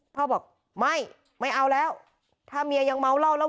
พ่อบอกไม่ไม่เอาแล้วถ้าเมียยังเมาเหล้าแล้ว